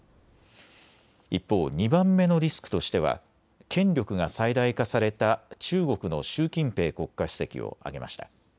一方、２番目のリスクとしては権力が最大化された中国の習近平国家主席を挙げました。